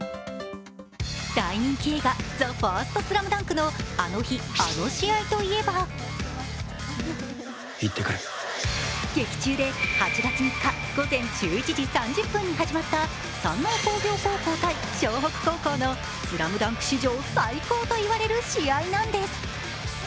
大人気漫画「ＴＨＥＦＩＲＳＴＳＬＡＭＤＵＮＫ」の「あの日、あの試合」といえば劇中で８月３日午前１１時３０分に始まった山王工業高校対湘北高校のＳＬＡＭＤＵＮＫ史上最高といわれる試合なんです。